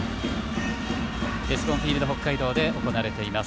エスコンフィールド北海道で行われています。